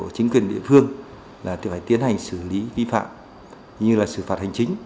chính quyền địa phương là phải tiến hành xử lý vi phạm như là xử phạt hành chính